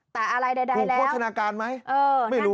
แต่อะไรใดแล้วไม่รู้คุณโฆษณาการไหม